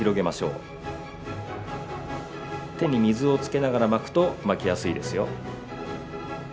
手に水をつけながら巻くと巻きやすいですよ。